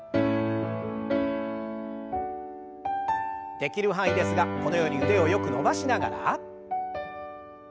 できる範囲ですがこのように腕をよく伸ばしながら。